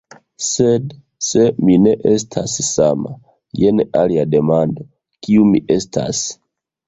Sed se mi ne estas sama, jen alia demando; kiu mi estas?